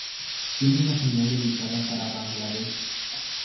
Tiene una señal dedicada para Bangladesh.